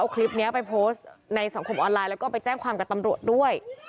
เอาคลิปนี้ไปโพสต์ในสังคมออนไลน์แล้วก็ไปแจ้งความกับตำรวจด้วย